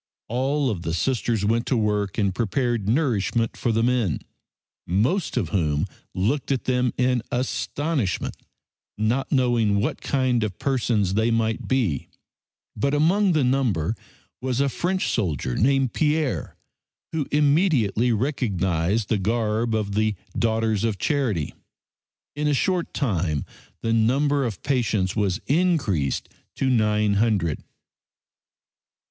All of the Sisters went to work and prepared nourishment for the men, most of whom looked at them in astonishment, not knowing what kind of persons they might be, but among the number was a French soldier named Pierre, who immediately recognized the garb of the "Daughters of Charity." In a short time the number of patients was increased to nine hundred.